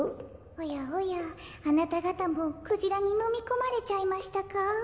おやおやあなたがたもクジラにのみこまれちゃいましたか？